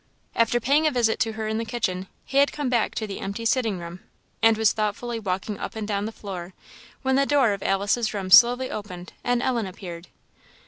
After paying a visit to her in the kitchen, he had come back to the empty sitting room, and was thoughtfully walking up and down the floor, when the door of Alice's room slowly opened, and Ellen appeared.